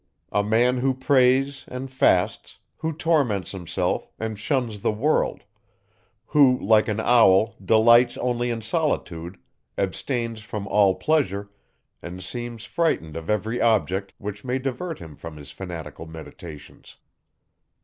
A man, who prays, and fasts, who torments himself, and shuns the world; who like an owl, delights only in solitude, abstains from all pleasure, and seems frightened of every object, which may divert him from his fanatical meditations.